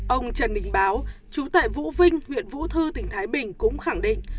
ông trần đình báo chú tại vũ vinh huyện vũ thư tỉnh thái bình cũng khẳng định